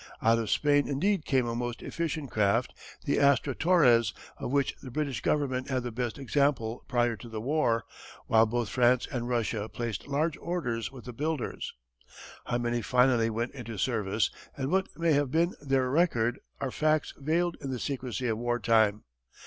Out of Spain indeed came a most efficient craft the Astra Torres, of which the British Government had the best example prior to the war, while both France and Russia placed large orders with the builders. How many finally went into service and what may have been their record are facts veiled in the secrecy of wartime.